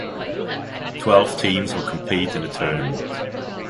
Twelve teams will compete in the tournament.